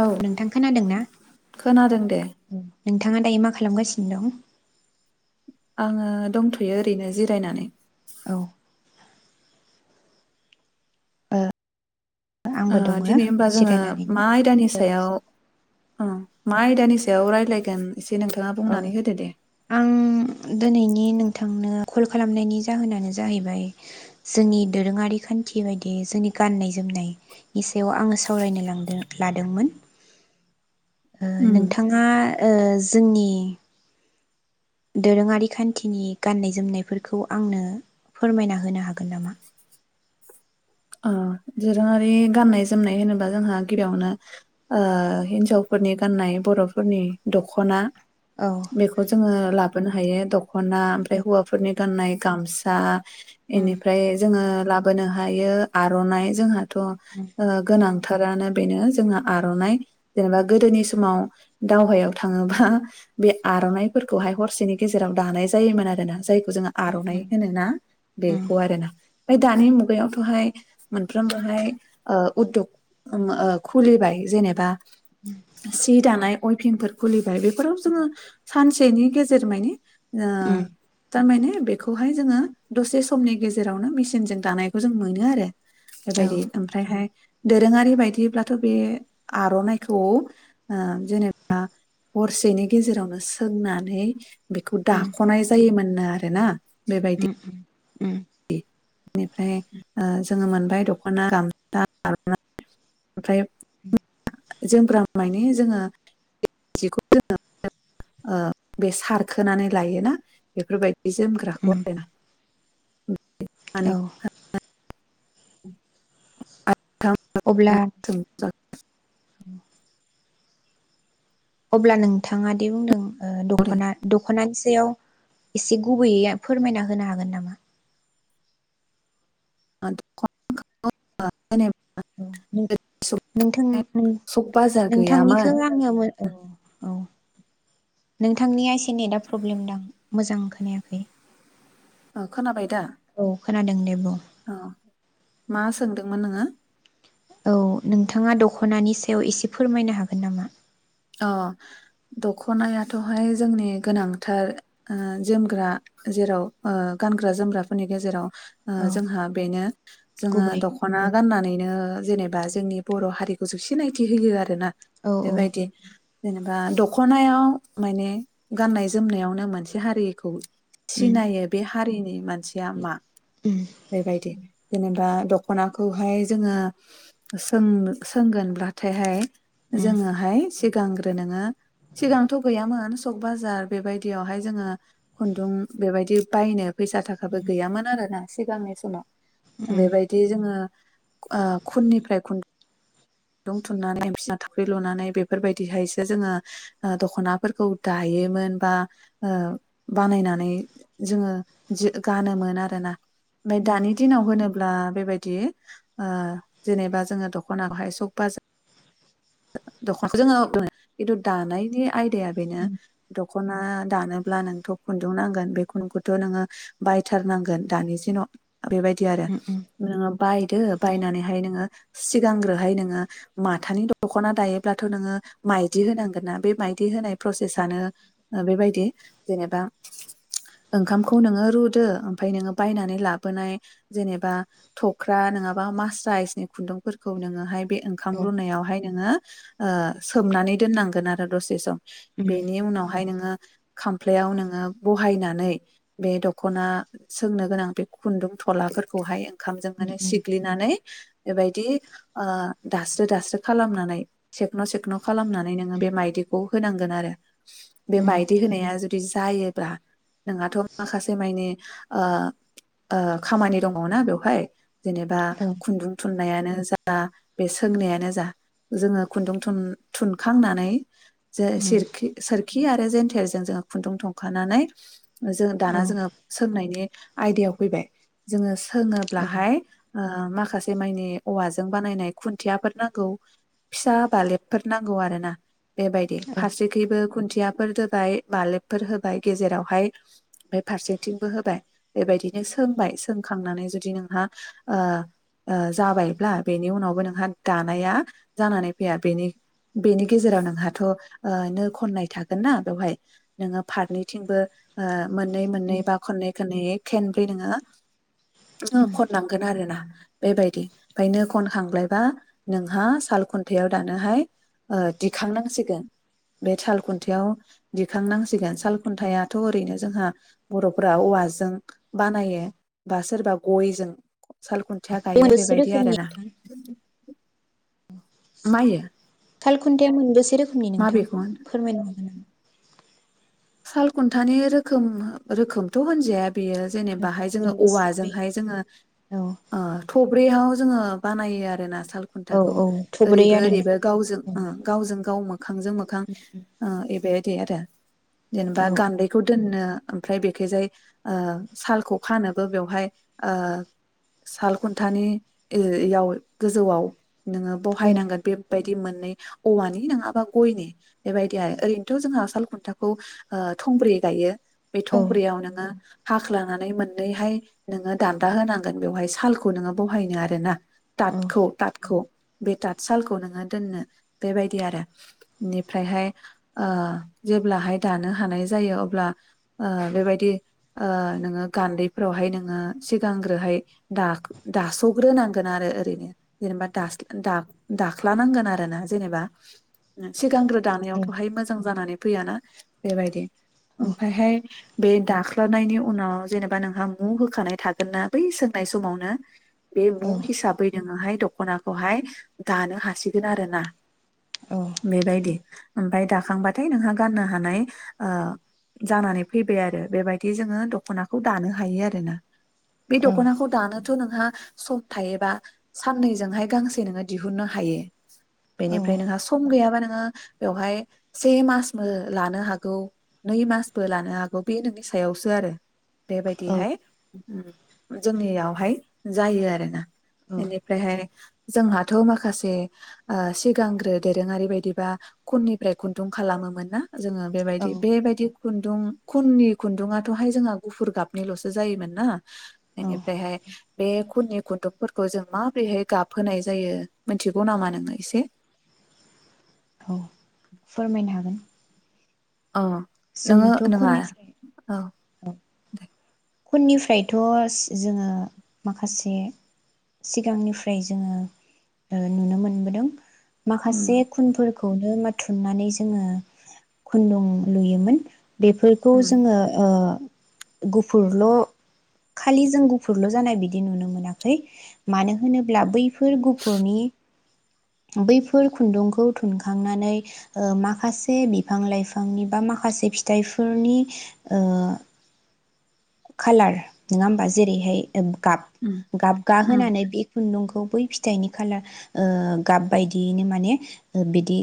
औ नोंथां खोनादों ना खोनादों दे। औ नोंथाङा दायो मा खालामगासिनो दं? आङो दंथ'यो ओरैनो जिरायनानै। औ। ओ आंबो दङ दिनै होनबा जोङो जिरायनानैनो मा आयदानि सायाव। ओ मा‌ आयदानि सायाव रायलायगोन। औ आं दोनैनि नोंथांनो कल खालामनायनि जाहोनानो जाहैबाय जोंनि दोरोङारि खान्थि बायदि जोंनि गाननाय जोमनायनि सायाव आङो सावरायनो लांदों लादोंमोन। ओ उम नोंथाङा ओ जोंनि दोरोङारि खान्थिनि गाननाय जोमनायफोरखौ आंनो फोरमायना होनो हागोन नामा? ओ दोरोङारि गाननाय जोमनाय होनोबा जोंहा गिबियावनो ओ हिन्जावफोरनि गाननाय बर'फोरनि दख'ना। औ बेखौ जोङो ला बोनो हायो दख खना आमफ्राय उम हौवाफोरनि गाननाय गामसा। उम एनिफ्राय जोङो लाबोनो हायो आर'नाइ जोंहाथ' ओ गोनां थारानो बेनो जोंहा आर'नाइ जेनेबा गोदोनि समाव दावहायाव थाङोबा बे आर'नाइफोरखौहाय हरसेनि गेजेराव दानाय जायोमोन आरोना जाय जोङो उम आर'नाइ उम होनो ना उम बेखौ आरोना। ओमफाय दानि मुगायावथ'हाय मोनफ्रोमबोहाय ओ उदग ओम ओ खुलिबाय जेनेबा। सि दानाय, अयफिंफोर खुलि बाय बेफोराव जोङो सानसेनि गेजेर मानि ओ उम थारमाने बेखौहाय जोङो दसे समनि गेजेरावनो मेसिनजों दानायखौ जों मोनो आरो। औ बेबायदि ओमफ्रायहाय दोरोङारि बायदिब्लाथ' बे आर'नाइखौ ओ जेनेबा हरसेनि गेजेरावनो सोंनानै बेखौ उम दाख'नाय जायो मोननो आ रो ना। उम उम उम बेनिफ्राय ओ जोङो मोनबाय दख'ना, गामसा, आरना ओमफ्राय [inaudible] जोम मानि जोङो जिखौ जोङो ओ बे सारखोनानै लायोना बेफोरबाय दि उम जोमग्राखौ आरोना। औ [unintelligible] थां अब्ला [unintelligible] [inaudible] अब्ला नों थाङादि बुंदों दखना द खनानि सायाव एसे गुबैयै फोरमायना होनो हागोन नामा? [unintelligible] नों नोंथां नों सक बाजार गैयामोन नोंथांनिखौ आङो औ औ नोंथांनिया एसे नेटा प्रब्लेम दां? मोजां खोनायाखै। ओ खोनाबाय दा? औ खोनादों दे बुं। औ मा सोंदोंमोन नोङो? औ नोंथाङा दख'नानि सायाव एसे फोरमायनो हागोन नामा? अ दख'नायाथ' हाय जोंनि गोनांथार ओ जोमग्रा जेराव ओ गानग्रा जोमग्राफोरनि गेजेराव। ओ औ जोंहा बेनो जोङो गुबै दख'ना औ गाननानैनो जेने बा जोंनि बर' हारिखौ सो सिनायथि होयो आरोना, औ औ बेबायदि जेनेबा द'खनायाव माने गाननाय जोमनायावनो मोनसे हारिखौ उम सिनायो बे हारि नि मान थिया मा उम बेबायदि, जेनेबा द'खनाखौहाय जोङो सों सोंगोनब्लाथाय हाय, उम जोङोहाय, सिगांग्रो नोङो सिगांथ' गैयामोन सक बाजार बेबायदियावहाय जोङो खुन्दुं बेबायदि बायनो, फैसा थाखाबो गैयामोन आरो ना, सिगांनि समाव, उम बेबायदि जोङो, ओ खुननिफ्राय खुन दं थुननानै बिसना थावख्रि लुनानै बेफोरबायदिहायसो जोङो ओ द'खनाफोरखौ दायोमोन बा ओ बानायनानै जोङो जो गानो मोन आरो ना, उम उम दानि दिनाव होनो, ब्ला बेबायदि ओ जेनेबा जोङो द'खनाखौहाय स फास द'खनाखौ जोङो खिन्थु दानायनि आयदाया बेनो द'खना दानोब्ला नोंथ' खुन्दुं नांगोन बे खुन्दुंखौथ' नोङो बायथारनांगोन दानि जेन बेबायदि आरो उम औ उम उम नोङो बायदो बायनानैहाय नोङो सिगांग्रोहाय नोङो माथानि द द'खना दायोब्लाथ' नोङो माइदि होनांगोन ना बे माइदि होनाय प्रसेसनो बेबायदि जेनेबा ओंखामखौ नोङो रुदो ओमफ्राय नोङो बायनानै लाबोनाय जेनेबा थख्रा नङाबा मास्राइसनि खुन्दुंफोरखौ नोङोहाय, बे ओंखाम रुनायावहाय, नोङो ओ सोमनानै दोननांगोन आरो दसे सम, बेनि उनावहाय नोङो, खामफ्लायाव नोङो बहायनानै बे द'खना सोंनो गोनां बे खुन्दुं थलाफोरखौहाय, ओंखामजों माने सिग्लिनानै बेबायदि ओ दास्रो दास्रो खालामनानै सेखन सेखन खालामनानै नोङो बे माइदिखौ होनांगोन आरो बे उम मायदि होनाया जों दि जायोब्ला नोंहाथ' माखासे मानि ओ ओ खामानि दङना बेवहाय जेनेबा औ खुन्दुं थुन नायानो जा बे सोंनायानो जा, जोङो खुन्दुं थुन थुनखांनानै उम जासेरखि सोरखि आरो जेन्थेरजों जोङो खुन्दुं थुनखानानै, जों औ दाना जोङो सोंनायनि, आयदायाव फैबाय जोङो होङोब्लाहाय ओं माखासे मायनि औवाजों बानायनाय खुन्थियाफोर नांगौ फिसा बालेबफोर नांगौ आरोना बेबायदि औ फारसेखैबो खुन थियाफोर दोबाय बालेबफोर होबाय गेजेरावहाय फाय फारसेथिंबो होबाय बेबायदिनो सोंबाय सोंखांनानै जुदि नोंहा ओ ओ जाबायब्ला बेनि उनावबो नोंहा दानाया जानानै फैया बेनि बेनि गेजेराव नोंहाथ ओ नो खननाय थागोनना बेवहाय नोङो फारनैथिंबो ओ मोननै-मोननै बे बा खनै खनैयै खेनब्रै नोङा नो खननांगोन आरो ना बेबायदि खायनो खनखांब्लायबा नोंहा खाल खुन्थायाइाव दानोहाय ओ दिखांनांसिगोन बे साल खुन्थाव दिखांनांसिगोन साल खुन्थाइाथ ओरैनो जोंहा बरफोरा औवाजों बानायो बा सोरबा गयजों साल खुन खुनथिया गायो मोनबेसे बेबायदि आरो रोखोमनि ना। नोंथां मायो साल खुन्थाया मोनबेसे रोखोमनि माबेखौ होनो नोंथांआ फोरमायनो हागोन नामा। सालखुन्थानि रोखोम रोखोमथ होनजाया। बेयो नामा? जेनेबाहाय जोङो मोनबेसे बे औवाजोंहाय जोङो औ ओ थब्रैयाव। जोङो बानायो आरो ना साल औ खुन्थाखौ औ थब्रै आरोना ओरैबो-ओरैबो गावजों गावजों गाव मोखांजों मोखां ओ। दे आदा। जेनेबा औ गान्दैखौ दोननो। ओमफ्राय बेखैयजाय ओ सालखौ फाननोबो बेवहाय ओल साल खुन्थानियाव गोजौआव। नोङो औ बहायनांगोन बे बायदि सोलिगोन काका बिदि मोननै औवानि नङा बा गयनि बेबायदि आरो ओरैनोथ जोंहा साल खुन्थाखौ। ओ थंब्रै गायो। बे औ थंब्रैयाव नोङो हा। ख्लानानै मोननैहाय नोङो दान्दा होनांगोन बेवहाय सालखौ नोङो बहायनो आरो ना। औ थादखौ-थादखौ। बे थाद सालखौ नोङो दोननो बेबायदि आरो बेनिफ्रायसान्दुं ओ ब्लाहाय। दानो हानाय जायो अब्ला बेबायदि नोङो गान्दैफ्रावहाय नोङो सिगांग्रोहाय दासग्रोनांगोन आरो ओरैनो जेनेबा दाख्लानांगोन आरो ना जेनेबा सिगांग्रो। औ दानायावथहाय मोजां जानानै। फैया ना। बेबायदि। औ ओमफ्रायहाय। बे दाख्लानायनि उनाव जेनेबा नोंहा मु होखानाय थागोन ना बै सोंनाय समावनो। बे औ औ मु हिसाबै नोङोहाय। दखना खौहाय दानो हासिगोन आरोना। औ बे बायदि। ओमफ्राय दाखांबाथाय नोंहा गाननो हानाय। ओ जानानै फैबाय आरो बेबायदि जोङो दखनाखौ दानो हायो आरोना। बे दखनाखौ दानोथ नोंहा। सम थायोबा साननै जोंहाय गांसे नोङो दिहुननो हायो। बेनिफ्राय नोंहा सम गैयाबा नों। नोंहा बेवहाय से मासबो लानो हाग गौ नै मासबो लानो हागौ बे नोंनि सायावसो आरो। बेबायदिहाय। जोंनियावहाय जायो आरोना बेनिफ्रायहाय जोंहाथ' माखासे आ सिगांग्रो दोरोङारि बायदिबा खननिफ्राय खुन्दुं खालामोमोन ना जोङो औ बेबायदि बेबायदि खुन्दुं खननि खुन्दुाथ'हाय जोंहा गुफुर गाबनिल'सो जायोमोन ना बेनिफ्रायहाय बे खुननि खुन्दुंफोरखौ जों माब्रैहाय गाबहोनाय जायो मिथिगौ नामा नोङो एसे? औ फोरमायनो हागोन अ नोङो जोंथ' नङा खननिफ्राय अ । [unintelligible] खुननिफ्रायथ' जोङो माखासे सिगांनिफ्राय जोङो नुनो मोनबोदों माखासे उम खुनफोर खौनो माथुमनानै जोङो खुन्दुं लुयोमोन बेफोरखौ उम जोङो ओ गुफ गुफुरल' खालि जों गुफुरल' जानाय बिदि नुनो मोनाखै मानो होनोब्ला बैफोर गुफुरनि बैफोर खुन्दुंखौ थुनखांनानै ओ माखासे बिफां लाइफांनि बा माखासे फिथाइफोरनि ओ खालार नङा होमबा जेरैहाय एम गाब उम गाबगा उम होनोनानै बे खुन्दुं खौ बै फिथाइनि खालार ओ गाब बायदियैनो माने बिदि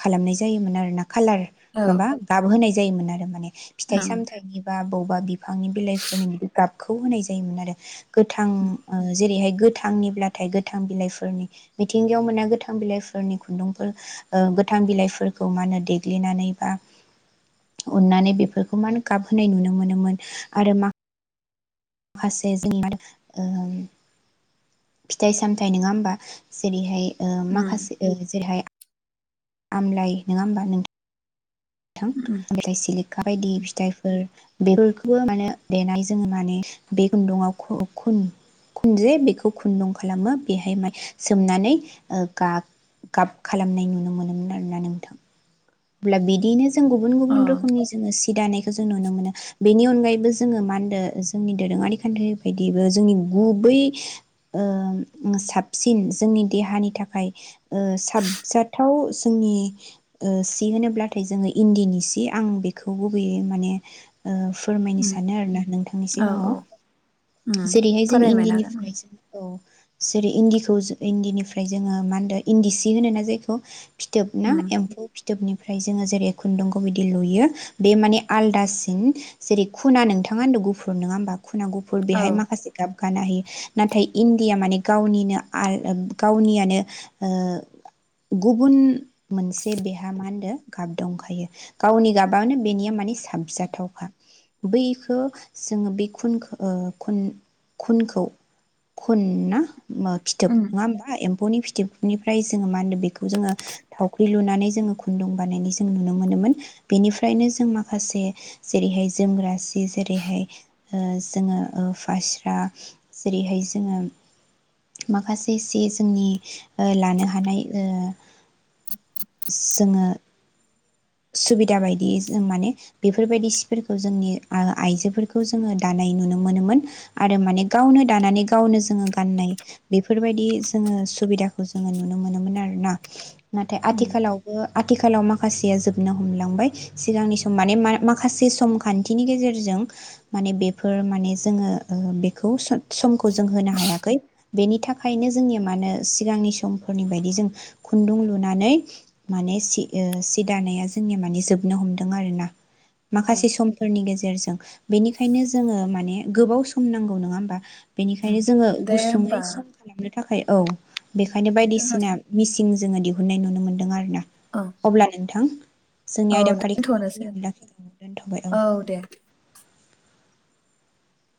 खालामनाय जायोमोन आर ना । कालार औ माबा गाब होनाय जायोमोन आरो माने फिथाइ ओं सामथायनि बाब बौबा आंनि बिलाइफोरनि बिदि गाब खौ होनाय जायोमोन आरो । गोथां उम ओ जेरैहाय गोथांनिब्लाथाय गोथां बिलाइफोरनि मिथिंगायाव मोना गोथां बिलाइफोरनि खुन्दुंफोर ओ गोथां बिलाइफोरखौ मा होनो देग्लिनानै बा उननानै बेफोरखौ मा होनो गाबहोनाय नुनो मोनोमोन आरो मा फासे जोंनि ओ फिथाइ सामथायाइ नङा होमबा जेरैहाय ओ माखासे उम ओ जेरैहाय आमलाय नङा होमबा नों थां मेथाइ सिलिखा बायदि उम फिथाइफोर बेफोरखौबो मे देनानै जोङो माने बे खुन्दुंआव खुनजे बेखौ खुन्दुं खालामो बेहाय सोमनानै ओ गाब खालामनाय नुनो मोनोमोन आरोना नोंथां । अब्ला बिदिनो जों गुबुन अ गुबुन रोखनि जोङो सि दानायखौ जों नुनो मोनो बेनि उन नि अनगायैबो जोङो मा होनदों जोंनि दोरोङारि खान्थिनि बायदिबो जोंनि गुबै साबसिन जोंनि देहानि थाखाय साबजाथाव जोंनि होनोब्लाथाय जोङो इन्दिनि सि आं बेखौ गुबैयै माने ओ फोरमायनो उम सानो आरोना नोंथांनि औ सिगाङाव औ उम जेरैहाय जों फरायनो मोनाखै इण्डिनिफ्राय [unintelligible] जों औ। जेरै इन्दिखौ इन्दिनिफ्राय जोङो मा होनदों इन्दि सि होन ना जायखौ फिथोबना उम एम्फौ फि दोबनिफ्राय जोङो जेरै खुन्दुंखौ बिदि लुयो बे माने आलदासिन जेरै खुना नोंथाङा होनदों गुफुर नोङा होमबा? दखुनांगौफोर औ बेहाय माखासे गाब गानो हायो नाथाय इण्डिया मानि गावनिनो ओ गावनिनो गुब मोनसे मा होनदो गाब दंखायो गावनि गाबआनो बेनिया माने साबजाथावखा बैखौ जोङो बे खुन ओ खुनखौ खुनना फिथोब उम नङा होनबा एम एम्फैनि फिथोबनिफ्राय जोङो मा होनो बेखौ जोङो थावख्रि लुनानै जोङो खुन्दुं बानायनाय जों नुनो मोनोमोन बेनिफ्रायनो जों माखासे जेरैहाय जोमग्रा सि जेरैहाय ओजोङो ओ फास्रा जेरैहाय जोङो माखासे सि जोंनि लानो हानाय ओ जोङो सुबिदा बायदि जों माने बेफोरबायदि सिफोरखौ जोंनि आइजोफोरखौ जोङो दानाय नुनो मोनोमोन आरो माने गावनो दानानै गावनो जोङो गाननाय बेफोरबायदि जोङो सुबिदाखौ जोङो नुनो मोनोमोन आरोना। नाथाय उम आथिखालावबो आथिखालाव माखासेया जोब नो हांबाय माखासे खान्थिनि गेजेरजों माने बेफोर माने जोङो बेखौ समखौ जों होनो हायाखै बेनि थाखायनो जोंनि मानो सिगांनि समफोरनि बायदि जों खुन्दुं लुनानै मान सि दानाया जा जोंनिया माने जोबनो हमदों आरोना? उम माखासे समफोरनि गेजेरजों ओं बेनिखायनो जोङो माने गोबाव सम नांगौ नङा होमबा? उम बेनिखायनो जोङो दे गुसुङै होमबा सम खालामनो थाखाय औ। बेखायनो जोंहा बायदिसिना मिसि [unintelligible] जोङो दिहुननाय नुनो मोनदों आरो ना। औ अब्ला नोंथां जोंनि औ आयदाफारिखौ दोनथ'नोसै बेखिनियावनो [unintelligible] लाखि दोनथबाय औ।